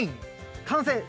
完成！